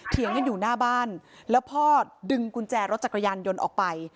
เถียงกันอยู่หน้าบ้านแล้วพ่อดึงกุญแจรถจักรยานยนต์ออกไป